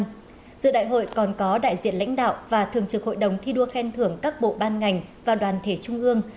trong dự đại hội còn có đại diện lãnh đạo và thường trực hội đồng thi đua khen thưởng các bộ ban ngành và đoàn thể trung ương